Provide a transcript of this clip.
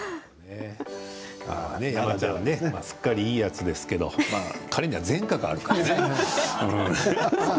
山ちゃんね、すっかりいいやつですけど彼には前科があるからね。